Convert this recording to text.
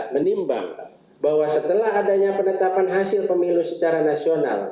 tujuh dua sembilan belas menimbang bahwa setelah adanya penetapan hasil pemilu secara nasional